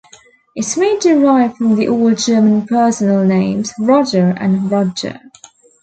It may derive from the Old German personal names "Roger" and "Rodger".